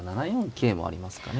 桂もありますかね